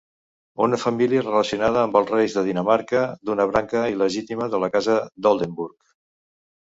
Una família relacionada amb els reis de Dinamarca, d'una branca il·legítima de la Casa d'Oldenburg.